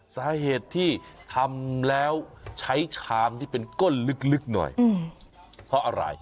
สาเหตุที่ทำแล้วใช้ชามที่เป็นก้นลึกหน่อยเพราะอะไร